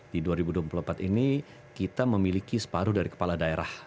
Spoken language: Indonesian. di dua ribu dua puluh empat ini kita memiliki separuh dari kepala daerah